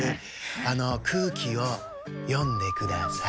あのくうきをよんでください。